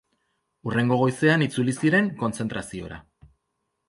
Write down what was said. Hurrengo goizean itzuli ziren kontzentraziora.